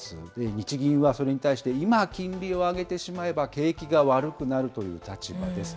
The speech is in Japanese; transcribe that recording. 日銀はそれに対して、今、金利を上げてしまえば景気が悪くなるという立場です。